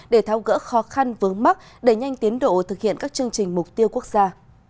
để thao gỡ khó khăn vướng mắt đẩy nhanh tiến độ thực hiện các chương trình mục tiêu quốc gia